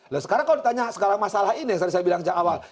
nah sekarang kalau ditanya sekarang masalah ini yang tadi saya bilang sejak awal